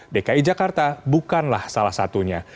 dki jakarta bukanlah salah satunya